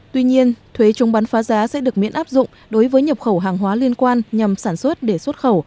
tuy nhiên thuế chống bán phá giá sẽ được miễn áp dụng đối với nhập khẩu hàng hóa liên quan nhằm sản xuất để xuất khẩu